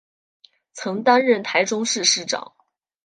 曾担任台中市市长。